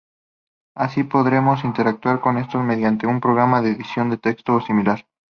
Así podremos interactuar con estos mediante un programa de edición de texto o similar.